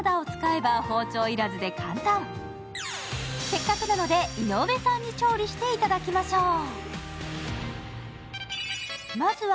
せっかくなので、井上さんに調理していただきましょう。